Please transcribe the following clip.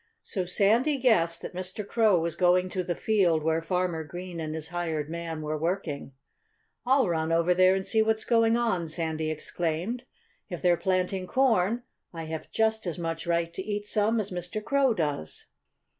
So Sandy guessed that Mr. Crow was going to the field where Farmer Green and his hired man were working. "I'll run over there and see what's going on!" Sandy exclaimed. "If they're planting corn I have just as much right to eat some as Mr. Crow has."